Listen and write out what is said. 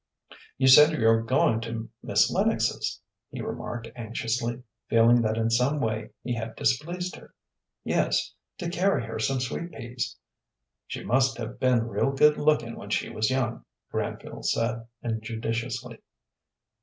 "You said you were going to Miss Lennox's," he remarked, anxiously, feeling that in some way he had displeased her. "Yes, to carry her some sweet peas." "She must have been real good looking when she was young," Granville said, injudiciously.